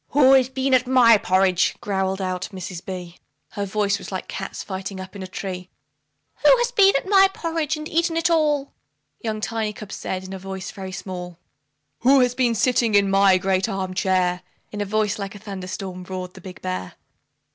"WHO HAS BEEN TO MY PORRIDGE?" growled out Mrs. B ; Her voice was like cats fighting up in a tree. "WHO HAS BEEN TO MY PORRIDGE AND EATEN IT ALL?" Young Tiny cub said, in a voice very small, "WHO HAS BEEN SITTING IN MY GREAT ARM CHAIR?" In voice like a thunder storm, roared the big bear.